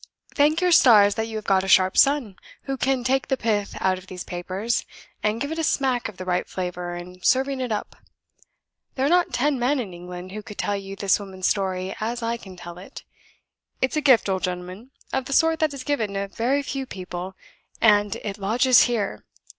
Thank your stars that you have got a sharp son, who can take the pith out of these papers, and give it a smack of the right flavor in serving it up. There are not ten men in England who could tell you this woman's story as I can tell it. It's a gift, old gentleman, of the sort that is given to very few people and it lodges here."